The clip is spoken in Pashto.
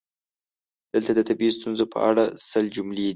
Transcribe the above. دلته د طبیعي ستونزو په اړه سل جملې دي: